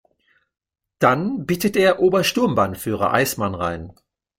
Dann bittet er Obersturmbannführer Eismann rein.